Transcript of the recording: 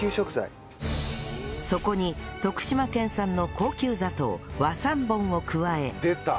そこに徳島県産の高級砂糖和三盆を加え出た！